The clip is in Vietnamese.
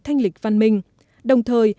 thanh lịch văn minh đồng thời